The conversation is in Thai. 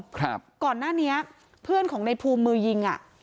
ครับก่อนหน้านี้เพื่อนของในภูมิมือยิงอ่ะ